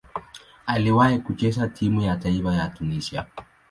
Aliwahi kucheza timu ya taifa ya Tunisia.